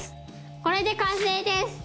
これで完成です。